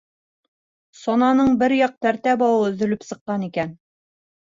Сананың бер яҡ тәртә бауы өҙөлөп сыҡҡан икән.